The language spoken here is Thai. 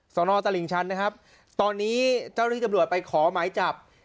สนตลิงชันนะครับตอนนี้เจ้าที่จำรวจไปขอไหมจับ